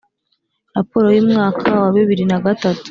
Raporo y umwaka wa bibiri na gatatu